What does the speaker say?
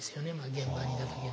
現場にいた時の。